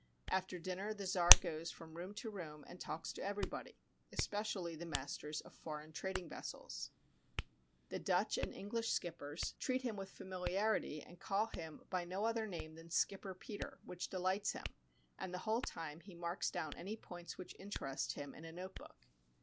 After dinner the czar goes from room to room and talks to everybody, especially with the masters of foreign trading vessels. The Dutch and English skippers treat 1 06 SUPPOSED LETTER FROM AN ARCHITECT him with familiarity, and call him by no other name than Skipper Peter, which delights him, and the "whole time he marks down any points which interest him, in a notebook.